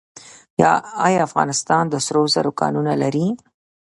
آیا افغانستان د سرو زرو کانونه لري؟